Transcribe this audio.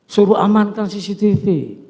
suruh amankan cctv